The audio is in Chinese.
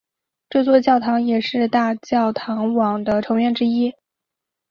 这座教堂也是大教堂网的成员之一。